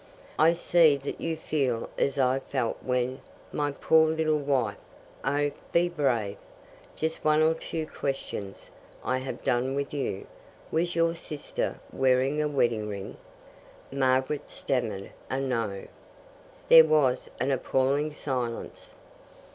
"I see that you feel as I felt when My poor little wife! Oh, be brave! Just one or two questions, and I have done with you. Was your sister wearing a wedding ring?" Margaret stammered a "No." There was an appalling silence.